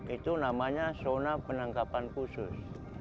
itu namanya zona penangkapan khusus